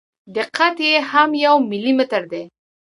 دقت یې هم یو ملي متر دی.